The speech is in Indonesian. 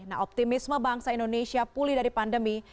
nah optimisme bangsa indonesia pulih dari pandemi